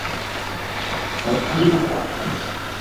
پاچی